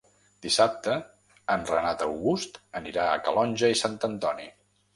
Dissabte en Renat August anirà a Calonge i Sant Antoni.